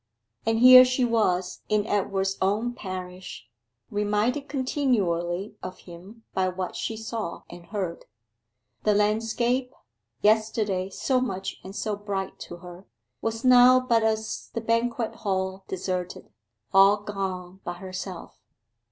And here she was in Edward's own parish, reminded continually of him by what she saw and heard. The landscape, yesterday so much and so bright to her, was now but as the banquet hall deserted all gone but herself.